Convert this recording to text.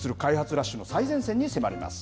ラッシュの最前線に迫ります。